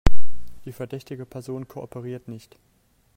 Die verdächtige Person kooperiert nicht.